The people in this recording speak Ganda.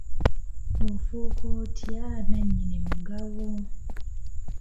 Ofuuka otya nannyini mugabo?